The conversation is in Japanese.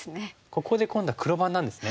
ここで今度は黒番なんですね。